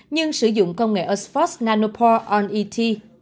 nhưng sử dụng công nghệ osphos nanopore on et